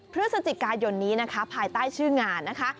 พฤศจิกายนนี้นะคะภายใต้ชื่องานนะคะ